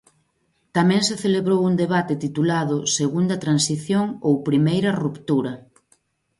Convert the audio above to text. Tamén se celebrou un debate titulado "Segunda transición ou primeira ruptura".